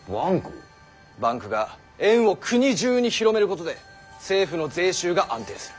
バンクが円を国中に広めることで政府の税収が安定する。